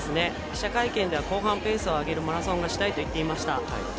記者会見では後半ペースを上げるマラソンをしたいと言っていました。